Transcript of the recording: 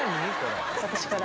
私から？